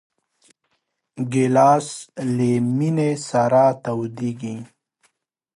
ګیلاس له مېنې سره تودېږي.